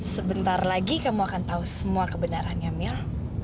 sebentar lagi kamu akan tahu semua kebenarannya mil